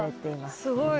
すごい。